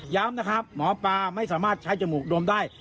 นะครับหมอปลาไม่สามารถใช้จมูกดวมได้